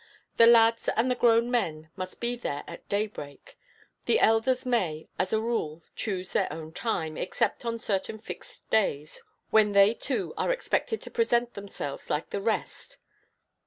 The lads and the grown men must be there at daybreak; the elders may, as a rule, choose their own time, except on certain fixed days, when they too are expected to present themselves like the rest.